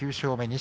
錦